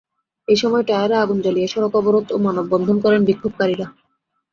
এ সময় টায়ারে আগুন জ্বালিয়ে সড়ক অবরোধ ও মানববন্ধন করেন বিক্ষোভকারীরা।